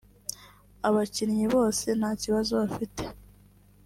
Abakinnyi bose nta kibazo bafite